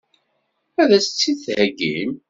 Ad as-tt-id-theggim?